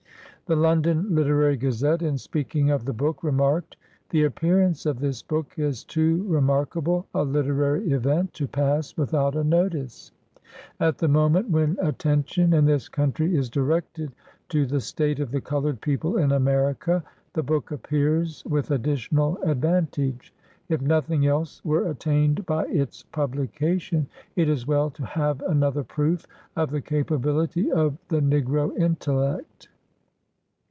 The London Literary Gazette, in speaking of the book, remarked :—" The appearance of this book is too remarkable a literary event to pass without a notice. At the moment when attention in this country is di rected to the state of the colored people in America, the book appears with additional advantage : if nothing else were attained by its publication, it is well to have another proof of the capability of the negro intellect.